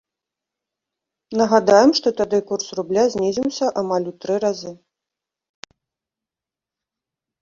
Нагадаем, што тады курс рубля знізіўся амаль у тры разы.